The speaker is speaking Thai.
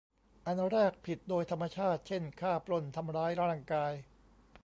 อันแรก ผิดโดยธรรมชาติ เช่น ฆ่า ปล้น ทำร้ายร่างกาย